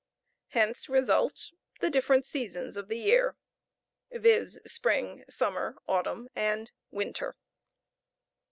Hence result the different seasons of the year viz., spring, summer, autumn, and winter.